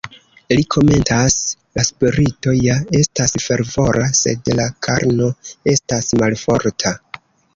Li komentas: "La spirito ja estas fervora, sed la karno estas malforta".